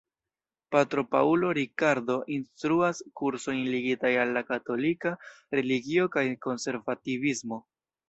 Patro Paulo Ricardo instruas kursojn ligitaj al la katolika religio kaj konservativismo.